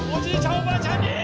おばあちゃんに。